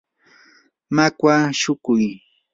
makwa shukuy.